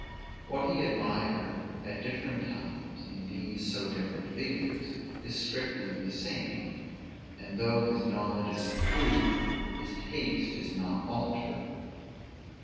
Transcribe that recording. What he admired at different times in these so different figures, is strictly the same; and though his knowledge is improved, his taste is not altered.